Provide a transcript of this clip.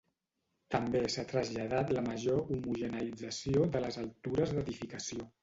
També s’ha traslladat la major homogeneïtzació de les altures d’edificació.